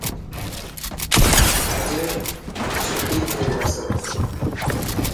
اڄ چوٽي ٿي جاسي.